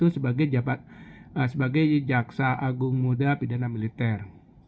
sebagai jaksa agung muda pidana militer